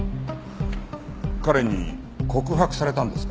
彼に告白されたんですか？